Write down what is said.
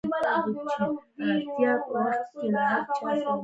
په یوه کتار کې شل دقیقې ولاړ وم.